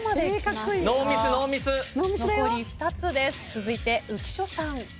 続いて浮所さん。